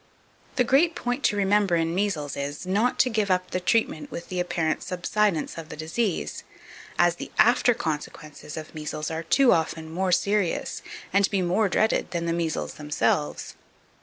2558. The great point to remember in measles is, not to give up the treatment with the apparent subsidence of the disease, as the after consequences of measles are too often more serious, and to be more dreaded, than the measles themselves.